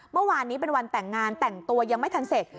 เมื่อวานนี้เป็นวันแต่งงานแต่งตัวยังไม่ทันเสร็จ